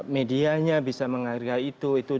medianya bisa menghargai itu